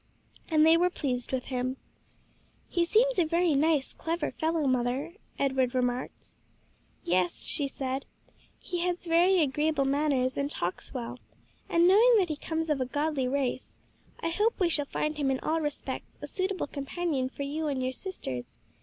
And they were pleased with him. "He seems a very nice, clever fellow, mother," Edward remarked. "Yes," she said, "he has very agreeable manners and talks well; and knowing that he comes of a godly race, I hope we shall find him in all respects a suitable companion for you and your sisters.